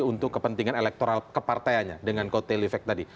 untuk kepentingan elektoral kepartaianya dengan kote levek tadi